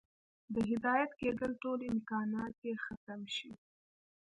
د هدايت كېدو ټول امكانات ئې ختم شي